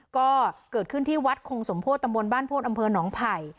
ก็เกิดขึ้นที่วัดคงสมโพธิตำบลบ้านโพธิอำเภอหนองไผ่